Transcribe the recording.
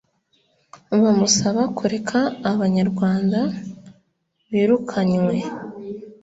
bamusaba kureka Abanyarwanda birukanywe